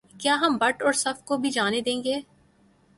کیا ہم بٹ اور صف کو بھی جانے دیں گے